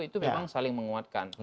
itu memang saling menguatkan